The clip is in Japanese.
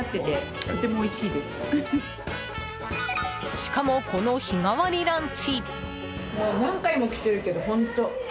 しかも、この日替わりランチ。